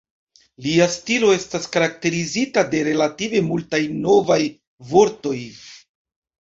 Lia stilo estas karakterizita de relative multaj "novaj" vortoj.